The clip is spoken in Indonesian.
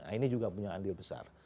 nah ini juga punya andil besar